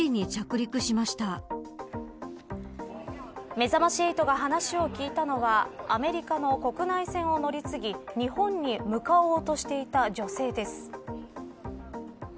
めざまし８が話を聞いたのはアメリカの国内線を乗り継ぎ日本に向かおうとしていた女性です。